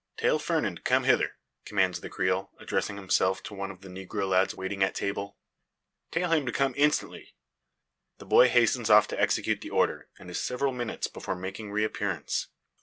"Tell Fernand to come hither," commands the Creole, addressing himself to one of the negro lads waiting at table. "Tell him to come instantly!" The boy hastens off to execute the order; and is several minutes before making re appearance.